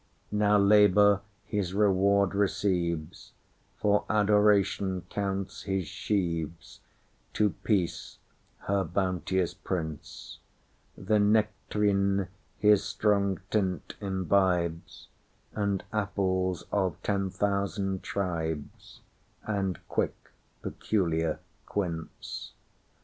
Now labour his reward receives, For Adoration counts his sheaves, To peace, her bounteous prince; The nect'rine his strong tint imbibes, And apples of ten thousand tribes, And quick peculiar quince.